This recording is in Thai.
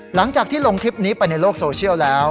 หลังจากที่ลงคลิปนี้ไปในโลกโซเชียลแล้ว